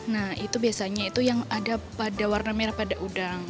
nah itu biasanya itu yang ada pada warna merah pada udang